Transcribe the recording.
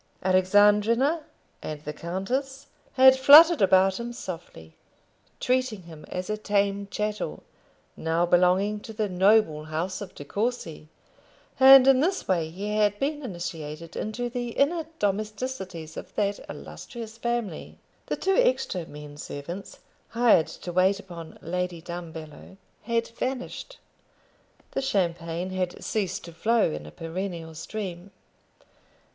Alexandrina and the countess had fluttered about him softly, treating him as a tame chattel, now belonging to the noble house of De Courcy, and in this way he had been initiated into the inner domesticities of that illustrious family. The two extra men servants, hired to wait upon Lady Dumbello, had vanished. The champagne had ceased to flow in a perennial stream.